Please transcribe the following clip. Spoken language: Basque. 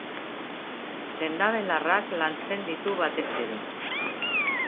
Sendabelarrak lantzen ditu batez ere.